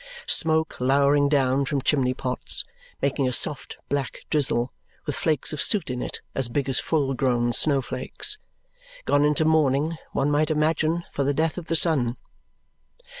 Smoke lowering down from chimney pots, making a soft black drizzle, with flakes of soot in it as big as full grown snowflakes gone into mourning, one might imagine, for the death of the sun.